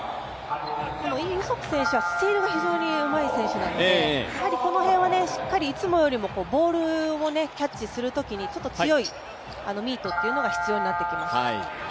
イ・ウソク選手はスピードがうまい選手なのでこの辺はしっかりいつもよりもボールをキャッチするときにちょっと強いミートが必要になってきます。